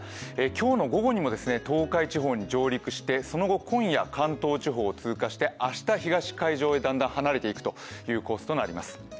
今日の午後にも東海地方に上陸してその後、今夜関東地方を通過して明日、東海上をだんだん離れていくコースとなります。